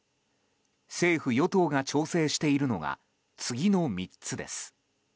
政府・与党が調整しているのが次の３つです。